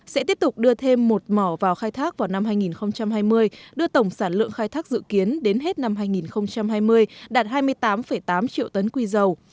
sẽ tiếp tục đưa thêm một mỏ vào khai thác vào năm hai nghìn hai mươi đưa tổng sản lượng khai thác dự kiến đến hết năm hai nghìn hai mươi đạt hai mươi tám tám triệu tấn quy dầu